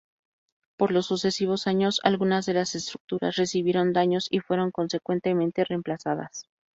Por los sucesivos años algunas de las estructuras recibieron daños y fueron consecuentemente reemplazadas.